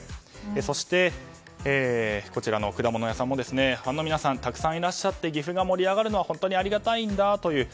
そして、こちらの果物屋さんもファンの皆さんがたくさんいらっしゃって岐阜が盛り上がるのは本当にありがたいんだと。